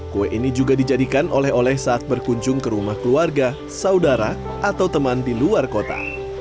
kue ini juga dijadikan oleh oleh saat berkunjung ke rumah keluarga saudara atau teman di luar kota